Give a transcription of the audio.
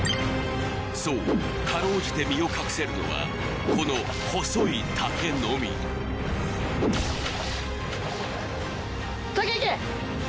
そうかろうじて身を隠せるのはこの細い竹のみ竹いけ！